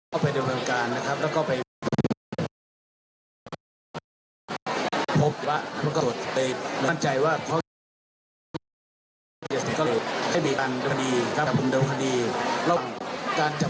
เอ่อไม่ดันมานี้นะครับประมาณวิทยุตินาณแหละครับ